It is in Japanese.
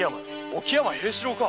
沖山平四郎か？